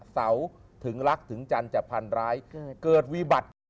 เสาถึงรักถึงจันทร์จะพันร้ายเกิดวิบัติ